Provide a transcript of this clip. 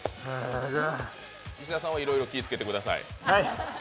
石田さんはいろいろ気つけてください。